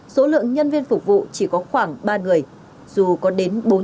số lượng nhân viên phục vụ chỉ có khoảng ba người dù có đến bốn trụ xăng